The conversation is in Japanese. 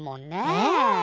ねえ。